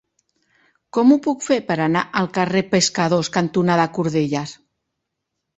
Com ho puc fer per anar al carrer Pescadors cantonada Cordelles?